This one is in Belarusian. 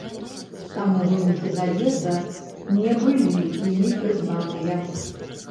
Таму вынікі з'езда не былі імі прызнаныя.